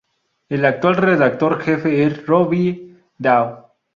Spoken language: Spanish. El actual redactor jefe es Robbie Daw.